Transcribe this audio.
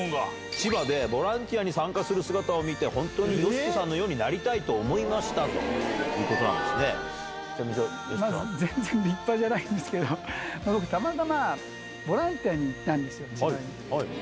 千葉でボランティアに参加する姿を見て、本当にＹＯＳＨＩＫＩさんのようになりたいと思いましたというこまず全然立派じゃないんですけど、僕、たまたま、ボランティアに行ったんですよ、千葉に。